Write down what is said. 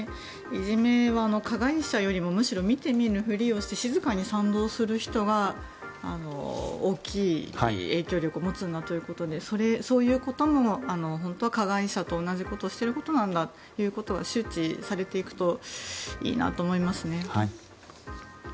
いじめは加害者よりもむしろ見て見ぬふりをして静かに賛同する人が大きい影響力を持つんだということでそういうことも本当は加害者と同じことをしていることなんだということが周知されていくといいなと思いますね。